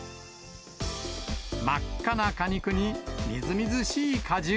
真っ赤な果肉にみずみずしい果汁。